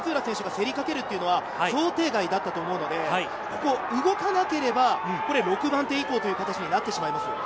初手から５番の松浦に競りかけるのは想定外だったと思うので、動かなければ６番手以降という形になってしまいます。